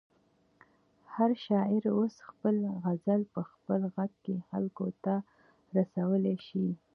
هر شاعر اوس خپل غزل په خپل غږ کې خلکو ته رسولی شي.